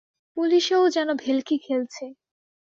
পুলিসে ও যেন ভেলকি খেলছে।